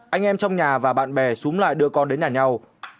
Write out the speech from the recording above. anh em trong nhà và bạn bè xúm lại đưa con đến nhà nhau